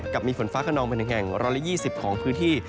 กับมีฝนฟ้ากระนองเป็นแห่งร้อนละ๒๐ของพื้นที่